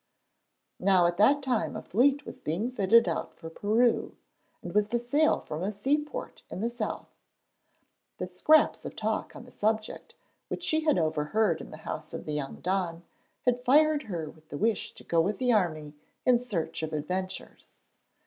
Now at that time a fleet was being fitted out for Peru, and was to sail from a seaport in the South. The scraps of talk on the subject which she had overheard in the house of the young don had fired her with the wish to go with the army in search of adventures.